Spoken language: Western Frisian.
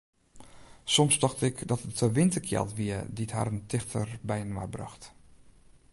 Soms tocht ik dat it de winterkjeld wie dy't harren tichter byinoar brocht.